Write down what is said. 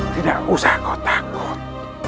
tidak usah kau takut